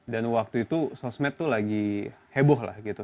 waktu itu sosmed tuh lagi heboh lah gitu